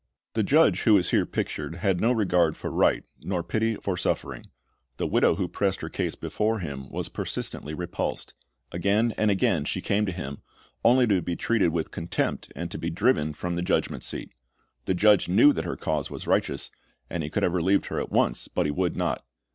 The judge who is here pictured had no regard for right, ( 164 ) Based on Luke 18 ; 1 8 ''Shall Not God Avenge His Ozoji?" 165 nor pity for suffering. The widow who pressed her case before him was persistently repulsed. Again and again she came to him, only to be treated with contempt, and to be driven from the judgment seat. The judge knew that her cause was righteous, and he could have relieved her at once, but he would not.